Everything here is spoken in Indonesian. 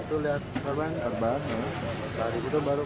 di situ baru ke penyantai penyantai